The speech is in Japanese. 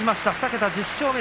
２桁、１０勝目。